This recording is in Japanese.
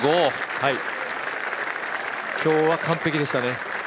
今日は完璧でしたね。